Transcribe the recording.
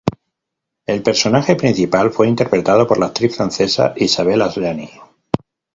El personaje principal fue interpretado por la actriz francesa Isabelle Adjani.